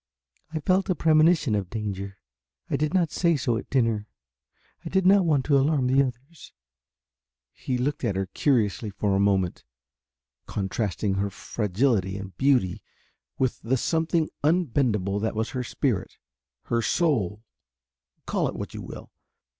I felt a premonition of danger. I did not say so at dinner. I did not want to alarm the others." He looked at her curiously for a moment, contrasting her fragility and beauty with the something unbendable that was her spirit, her soul call it what you will.